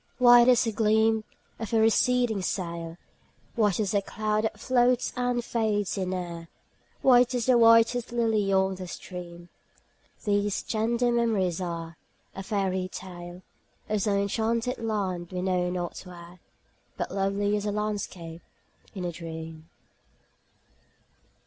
White as the gleam of a receding sail, White as a cloud that floats and fades in air, White as the whitest lily on a stream, These tender memories are; a fairy tale Of some enchanted land we know not where, But lovely as a landscape in a dream.